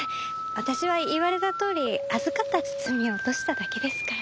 私は言われたとおり預かった包みを落としただけですから。